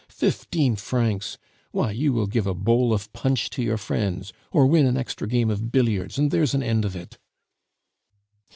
Fifteen francs! why, you will give a bowl of punch to your friends, or win an extra game of billiards, and there's an end of it!"